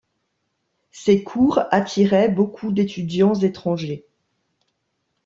Ses cours attiraient beaucoup d'étudiants étrangers.